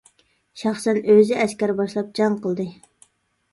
شەخسەن ئۆزى ئەسكەر باشلاپ جەڭ قىلدى.